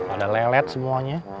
ada lelet semuanya